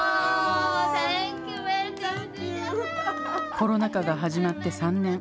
コロナ禍が始まって３年。